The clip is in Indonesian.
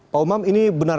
pak umam ini benar